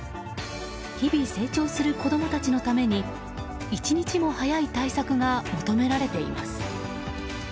日々成長する子供たちのために一日も早い対策が求められています。